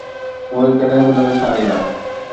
اهي ڪڏهن به نه وساريندا.